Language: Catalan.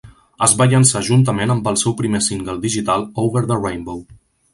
Es va llançar juntament amb el seu primer single digital, "Over the Rainbow".